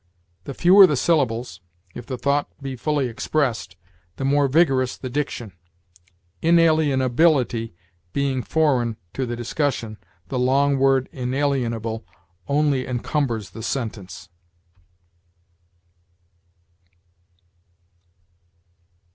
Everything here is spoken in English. The fewer the syllables, if the thought be fully expressed, the more vigorous the diction. Inalienability being foreign to the discussion, the long word inalienable only encumbers the sentence.